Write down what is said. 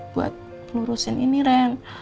buat lurusin ini ren